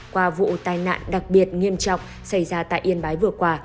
qua vụ tai nạn đặc biệt nghiêm trọng xảy ra tại yên bái vừa qua